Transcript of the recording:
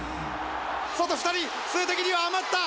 外２人、数的には余った！